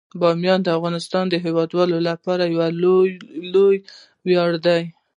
بامیان د افغانستان د هیوادوالو لپاره یو لوی ویاړ دی.